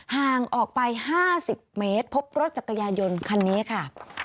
ห่างออกไป๕๐เมตรพบรถจักรยานยนต์คันนี้ค่ะ